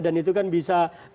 dan itu kan bisa diteliti